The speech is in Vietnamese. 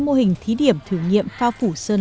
mô hình thí điểm thử nghiệm phao phủ sơn